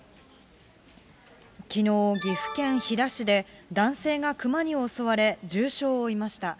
きのう、岐阜県飛騨市で男性がクマに襲われ、重傷を負いました。